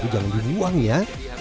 jangan dibuang ya